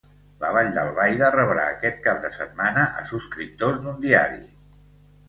La Vall d'Albaida rebrà aquest cap de setmana a subscriptors d'un diari